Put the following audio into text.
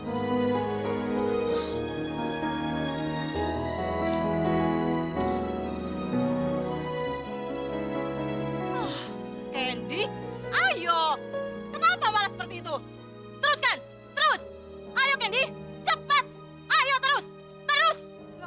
ah candy ayo kenapa malas seperti itu teruskan terus ayo candy cepat ayo terus terus terus